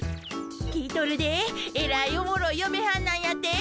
聞いとるでえらいおもろいよめはんなんやて？